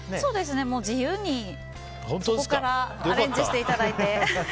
自由にアレンジしていただいて。